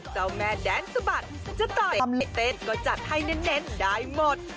เจ้าแม่แดนสะบัดจะต่อยเต้นก็จัดให้เน้นได้หมด